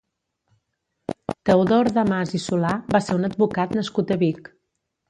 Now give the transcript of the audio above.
Teodor de Mas i Solà va ser un advocat nascut a Vic.